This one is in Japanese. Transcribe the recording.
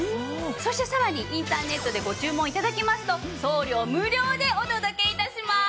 そしてさらにインターネットでご注文頂きますと送料無料でお届けいたします。